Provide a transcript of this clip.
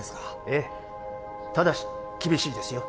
ええただし厳しいですよ